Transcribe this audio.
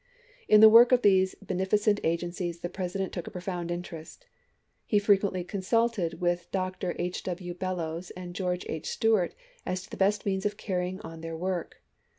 In the work of these beneficent agencies the President took a profound interest. He frequently consulted with Dr. H. W. Bellows and George H. Stuart as to the best means of carrying on then* work.